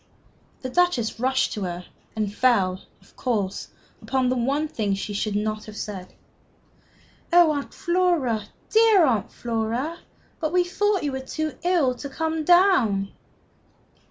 The Duchess rushed to her, and fell, of course, upon the one thing she should not have said. "Oh, Aunt Flora, dear Aunt Flora! But we thought you were too ill to come down!"